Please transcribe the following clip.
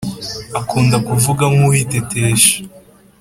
Akunda kuvuga nkuwitetesha